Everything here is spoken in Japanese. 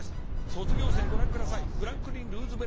卒業生ご覧ください。